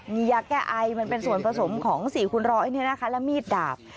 มียาแก้ไอมันเป็นส่วนผสมของ๔คูณร้อยและมีดดาบ